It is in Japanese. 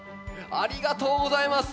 ありがとうございます。